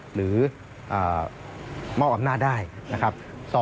หรือมอบอำนาจได้นะครับ